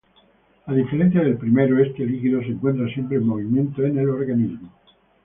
A diferencia del primero, este líquido se encuentra siempre en movimiento en el organismo.